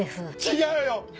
違うよ！